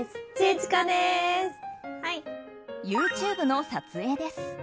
ＹｏｕＴｕｂｅの撮影です。